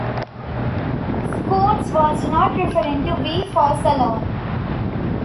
Scoones was not referring to V Force alone.